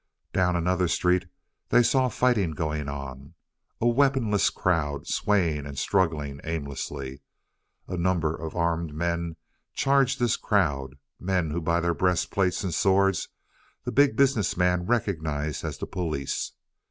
Down another street they saw fighting going on a weaponless crowd swaying and struggling aimlessly. A number of armed men charged this crowd men who by their breastplates and swords the Big Business Man recognized as the police.